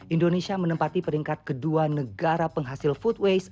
indonesia menempati peringkat kedua negara penghasil food waste